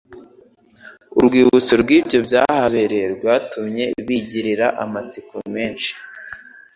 Urwibutso rw'ibyo byahabereye rwatumye bagirira amatsiko menshi